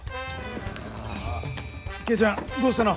圭ちゃんどうしたの？